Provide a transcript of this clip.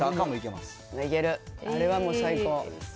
あれはもう最高。